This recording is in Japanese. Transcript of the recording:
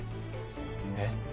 えっ？